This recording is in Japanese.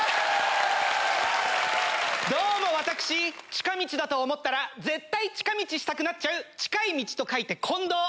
どうも私近道だと思ったら絶対近道したくなっちゃう「近い道」と書いて近道。